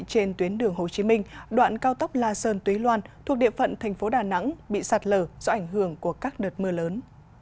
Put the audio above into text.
trên tuyến đường hồ chí minh đoạn cao tốc la sơn túy loan thuộc địa phận thành phố đà nẵng bị sạt lở do ảnh hưởng của các đợt mưa lớn